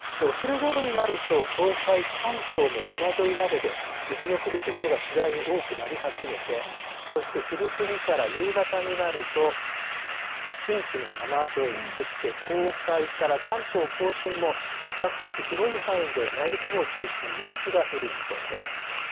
お昼ごろになると、東海、関東も山沿いなどで雪の降る所が次第に多くなり始めて、そして昼過ぎから夕方になると、近畿の山沿い、そして東海から関東甲信も、比較的広い範囲で、内陸部を中心に雪が降る見込みです。